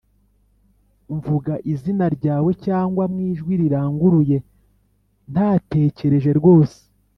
mvuga izina ryawe cyangwa mu ijwi riranguruye ntatekereje rwose